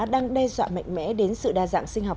đang đe dọa mạnh mẽ đến sự đa dạng sinh học